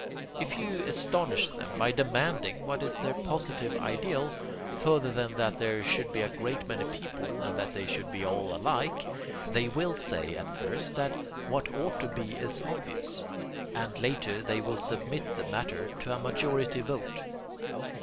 If you astonish them by demanding what is their positive ideal, further than that there should be a great many people and that they should be all alike, they will say at first that what ought to be is obvious, and later they will submit the matter to a majority vote.